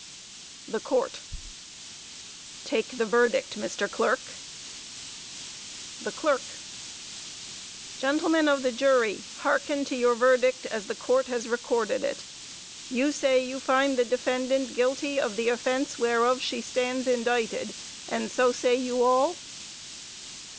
THE COURT: Take the verdict, Mr. Clerk. THE CLERK: Gentlemen of the jury, hearken to your verdict as the Court has recorded it. You say you find the defendant guilty of the offense whereof she stands indicted, and so say you all?